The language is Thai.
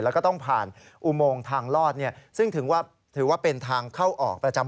แล้วก็ต้องผ่านอุโมงทางลอดซึ่งถือว่าเป็นทางเข้าออกประจำ